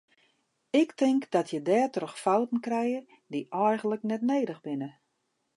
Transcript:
Ik tink dat je dêrtroch fouten krije dy eigenlik net nedich binne.